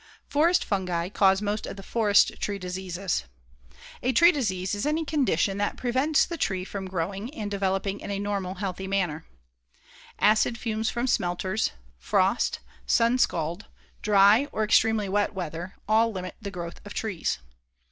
Forest fungi cause most of the forest tree diseases. A tree disease is any condition that prevents the tree from growing and developing in a normal, healthy manner. Acid fumes from smelters, frost, sunscald, dry or extremely wet weather, all limit the growth of trees.